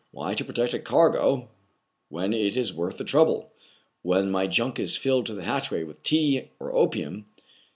" Why, to protect a cargo when it is worth the trouble, — when my junk is filled to the hatchway with tea or opium.